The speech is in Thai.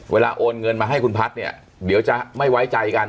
เวลาโอนเงินมาให้คุณพัชเนี้ยเดี๋ยวจะไม่ไว้จ่ายกัน